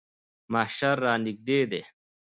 محشر رانږدې دی.